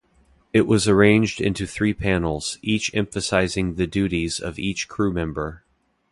It was arranged into three panels, each emphasizing the duties of each crew member.